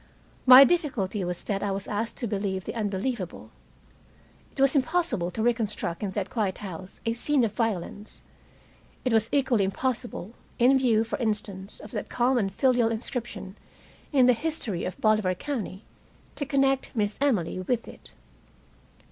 My difficulty was that I was asked to believe the unbelievable. It was impossible to reconstruct in that quiet house a scene of violence. It was equally impossible, in view, for instance, of that calm and filial inscription in the history of Bolivar County, to connect Miss Emily with it.